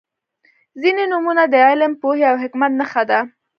• ځینې نومونه د علم، پوهې او حکمت نښه ده.